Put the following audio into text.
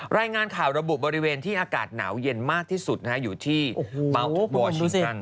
รายงานข่าวระบุบริเวณที่อากาศหนาวเย็นมากที่สุดอยู่ที่เบาอบวอร์ชิตัน